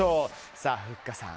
さあ、ふっかさん。